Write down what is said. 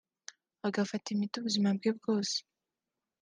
agafata imiti ubuzima bwe bwose